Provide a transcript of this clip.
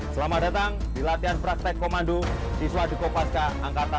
selamat datang di latihan praktek komando siswa dukopaska angkatan tiga puluh sembilan